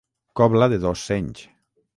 «Cobla de dos senys».